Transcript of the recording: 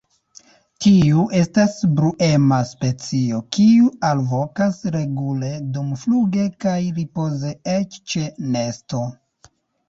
Tiu estas bruema specio, kiu alvokas regule dumfluge kaj ripoze, eĉ ĉe nesto.